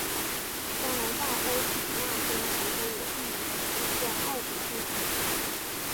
加拿大欧肯纳根湖中有著名的水怪奥古布古。